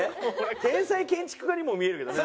天才建築家にも見えるけどね。